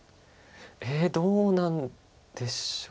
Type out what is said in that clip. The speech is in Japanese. ええどうなんでしょう。